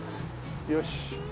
よし。